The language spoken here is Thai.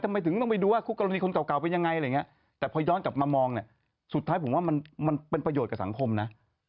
ทำไมถึงต้องไปดูว่าคู่กรณีคนเก่าเป็นยังไงอะไรอย่างนี้แต่พอย้อนกลับมามองเนี่ยสุดท้ายผมว่ามันเป็นประโยชน์กับสังคมนะ